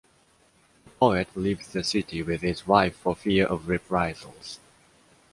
The poet leaves the city with his wife for fear of reprisals.